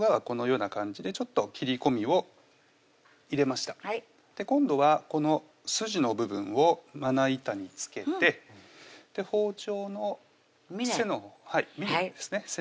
このような感じでちょっと切り込みを入れました今度はこの筋の部分をまな板に付けて包丁のみねみねですね